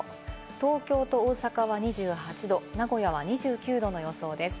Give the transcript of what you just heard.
東京と大阪は２８度、名古屋は２９度の予想です。